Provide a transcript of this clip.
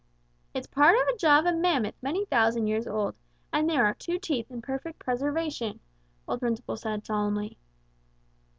"It's part of a jaw of a mammoth many thousands of years old, and there are two teeth in perfect preservation," old Principle said solemnly.